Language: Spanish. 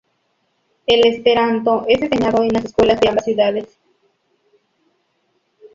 El Esperanto es enseñado en las escuelas de ambas ciudades.